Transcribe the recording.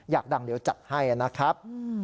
อยากดังเดี๋ยวจัดให้นะครับ